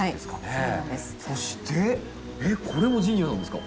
そしてえっこれもジニアなんですか？